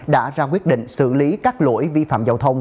đã ra quyết định xử lý các lỗi vi phạm giao thông